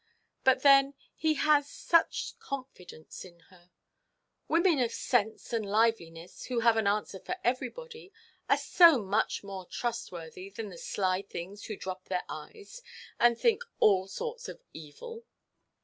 But then he has such confidence in her. Women of sense and liveliness, who have an answer for everybody, are so much more trustworthy than the sly things who drop their eyes, and think all sorts of evil."